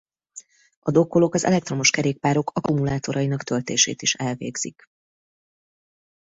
A dokkolók az elektromos kerékpárok akkumulátorainak töltését is elvégzik.